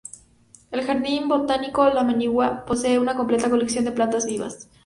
El Jardín Botánico La Manigua posee una completa colección de plantas vivas.